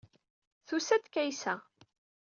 Tusa-d Kaysa.